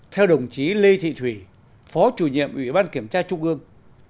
theo đồng chí lê thị thủy phó chủ nhiệm ủy ban kiểm tra trung ương